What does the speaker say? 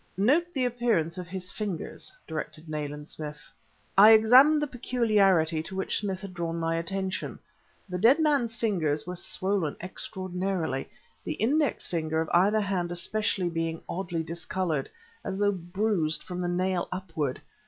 "Note the appearance of his fingers," directed Nayland Smith. I examined the peculiarity to which Smith had drawn my attention. The dead man's fingers were swollen extraordinarily, the index finger of either hand especially being oddly discolored, as though bruised from the nail upward.